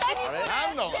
何だお前。